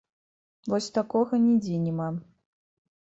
Вось такога нідзе няма.